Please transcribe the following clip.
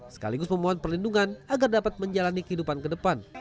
sekaligus memohon perlindungan agar dapat menjalani kehidupan ke depan